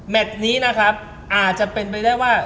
นี้นะครับอาจจะเป็นไปได้ว่า